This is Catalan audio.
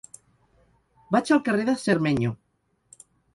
Vaig al carrer de Cermeño.